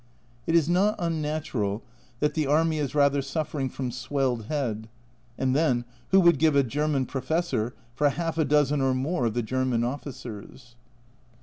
It is not un natural that the army is rather suffering from " swelled head " and then, who would give a German Professor for half a dozen or more of the German officers